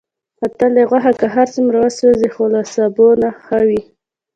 متل دی: غوښه که هرڅومره وسوځي، خو له سابو نه ښه وي.